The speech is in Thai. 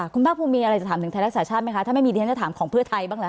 คุณภาคภูมิมีอะไรจะถามถึงไทยรักษาชาติไหมคะถ้าไม่มีดิฉันจะถามของเพื่อไทยบ้างละ